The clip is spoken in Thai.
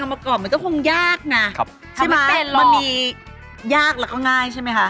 หลายไปดีกว่าสอนเราหน่อย